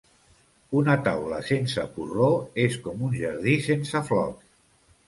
Una taula sense porró, és com un jardí sense flors.